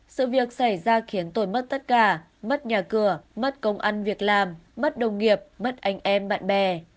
sự việc xảy ra khiến tôi mất tất cả mất nhà cửa mất công ăn việc làm mất đồng nghiệp mất anh em bạn bè